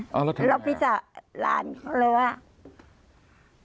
แล้วเราก็ไปต่อร้านเขาเลยว่า